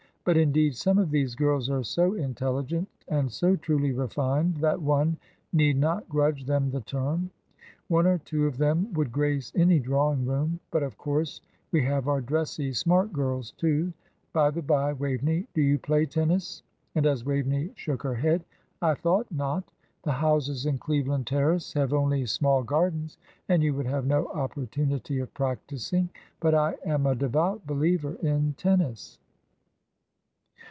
"But, indeed, some of these girls are so intelligent, and so truly refined, that one need not grudge them the term. One or two of them would grace any drawing room; but, of course, we have our dressy smart girls, too. By the bye, Waveney, do you play tennis?" And as Waveney shook her head, "I thought not. The houses in Cleveland Terrace have only small gardens, and you would have no opportunity of practising; but I am a devout believer in tennis."